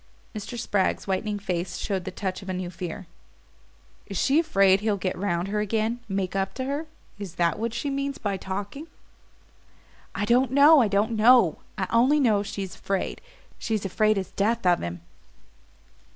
Mr. Spragg's whitening face showed the touch of a new fear. "Is she afraid he'll get round her again make up to her? Is that what she means by 'talking'?" "I don't know, I don't know. I only know she is afraid she's afraid as death of him."